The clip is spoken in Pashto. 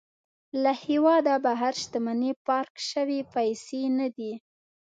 له هېواده بهر شتمني پارک شوې پيسې نه دي.